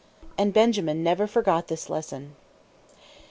And Benjamin never forgot this lesson.